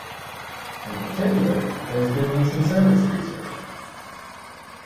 In particular, it has been used in service research.